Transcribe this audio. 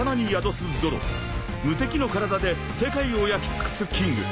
［無敵の体で世界を焼き尽くすキング］